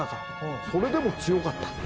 それでも強かった。